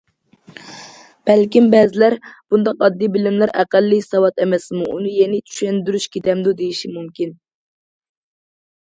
بەلكىم بەزىلەر: بۇنداق ئاددىي بىلىملەر ئەقەللىي ساۋات ئەمەسمۇ، ئۇنى يەنە چۈشەندۈرۈش كېتەمدۇ، دېيىشى مۇمكىن.